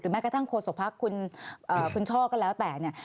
แม้กระทั่งโฆษกภักดิ์คุณช่อก็แล้วแต่เนี่ย